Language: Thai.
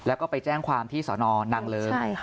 แล้วก็ไปแจ้งความที่สอนอนางเลิ้งใช่ค่ะ